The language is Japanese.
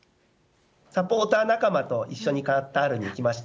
サポーター仲間と一緒にカタールに行きました。